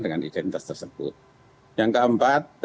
dengan identitas tersebut yang keempat